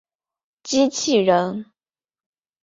机器人。